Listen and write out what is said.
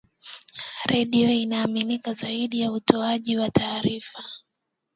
redio inaaminika zaidi kwa utoaji wa taarifa